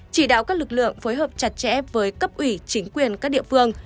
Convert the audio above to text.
chỉ đạo các lực lượng phối hợp chặt chẽ với cấp ủy chính quyền các địa phương